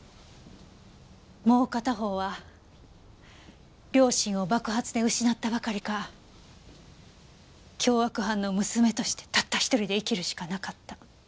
もう片方は両親を爆発で失ったばかりか凶悪犯の娘としてたった一人で生きるしかなかった。